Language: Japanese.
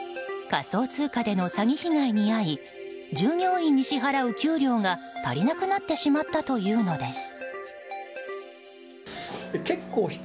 仮想通貨での詐欺被害に遭い従業員に支払う給料が足りなくなってしまったというのです。